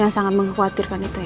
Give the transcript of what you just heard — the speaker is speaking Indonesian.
yang sangat mengkhawatirkan itu ya